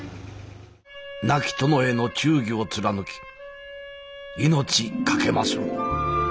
「亡き殿への忠義を貫き命かけまする」。